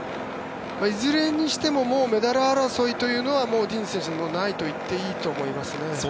いずれにしてももうメダル争いはディニズ選手はないと言っていいと思います。